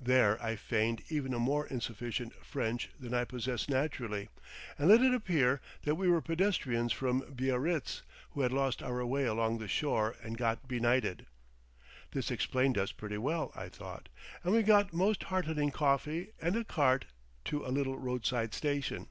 There I feigned even a more insufficient French than I possess naturally, and let it appear that we were pedestrians from Biarritz who had lost our way along the shore and got benighted. This explained us pretty well, I thought, and we got most heartening coffee and a cart to a little roadside station.